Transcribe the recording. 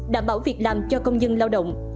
đảm bảo việc làm cho công dân lao động